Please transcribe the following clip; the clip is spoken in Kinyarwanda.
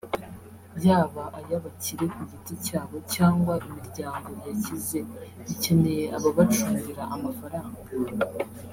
yaba ay’abakire ku giti cyabo cyangwa imiryango yakize ikeneye ababacungira amafaranga